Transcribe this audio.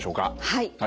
はい。